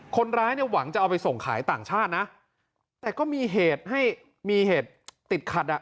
คนร้ายเนี่ยหวังจะเอาไปส่งขายต่างชาตินะแต่ก็มีเหตุให้มีเหตุติดขัดอ่ะ